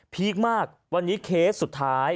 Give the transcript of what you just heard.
ีคมากวันนี้เคสสุดท้าย